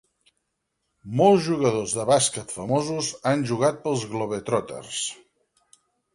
Molts jugadors de bàsquet famosos han jugat pels Globetrotters.